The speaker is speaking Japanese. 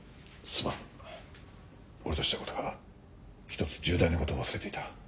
俺としたことが一つ重大なことを忘れていた。